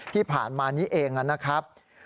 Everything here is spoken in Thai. ที่ผ่านมานี้เองนะครับ